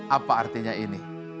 apa artinya ini